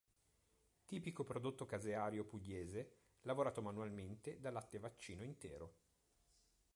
Tipico prodotto caseario pugliese, lavorato manualmente da latte vaccino intero.